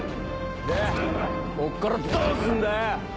でこっからどうすんだよ？